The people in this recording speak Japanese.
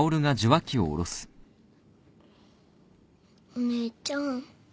お姉ちゃん。